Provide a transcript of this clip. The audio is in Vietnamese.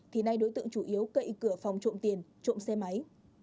thì nay đối tượng chủ yếu cậy cửa phòng trộm tiền trộm xe máy